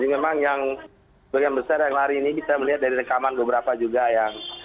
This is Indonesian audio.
memang yang bagian besar yang lari ini kita melihat dari rekaman beberapa juga yang